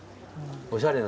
おしゃれな。